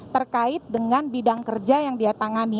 terkait dengan bidang kerja yang dia tangani